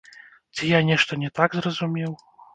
Ці я нешта не так зразумеў?